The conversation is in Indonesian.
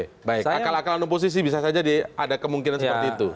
akal akal oposisi bisa saja ada kemungkinan seperti itu